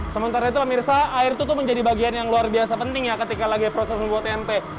sementara itu pemirsa air itu tuh menjadi bagian yang luar biasa penting ya ketika lagi proses membuat tempe